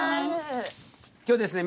今日ですね